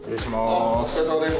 あっお疲れさまです。